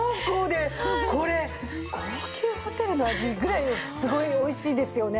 これ高級ホテルの味ぐらいすごいおいしいですよね。